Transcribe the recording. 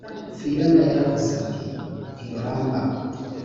Fiona yaravuze ati ntiruramba